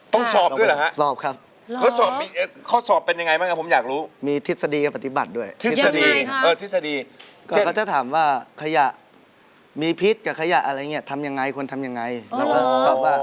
ต้องสอบด้วยหรอครับสอบครับ